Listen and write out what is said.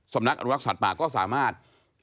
สำนักอนุรักษ์สัตว์ป่าก็สามารถ